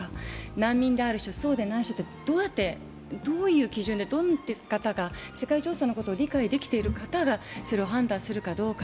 難民である人、そうでない人ってどうやってどういう基準でどういう方が世界情勢のことを理解できている方がそれを判断するかどうか。